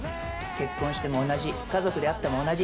結婚しても同じ家族であっても同じ。